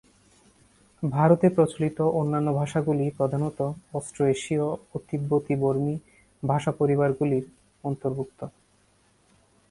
ভারতে প্রচলিত অন্যান্য ভাষাগুলি প্রধানত অস্ট্রো-এশীয় ও তিব্বতী-বর্মী ভাষা পরিবারগুলির অন্তর্ভুক্ত।